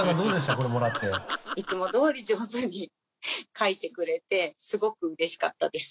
これもらって。いつもどおり上手に描いてくれてすごくうれしかったです。